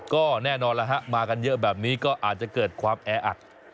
ก็แน่นอนแล้วฮะมากันเยอะแบบนี้ก็อาจจะเกิดความแออัด